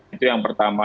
itu yang pertama